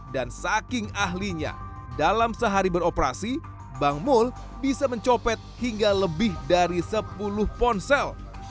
dan saking ahlinya dalam sehari beroperasi bang mul bisa mencopet hingga lebih dari sepuluh ponsel